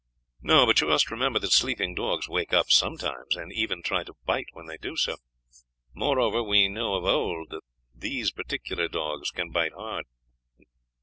"No, but you must remember that sleeping dogs wake up sometimes, and even try to bite when they do so; moreover we know of old that these particular dogs can bite hard."